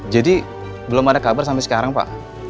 jadi belum ada kabar sampai sekarang pak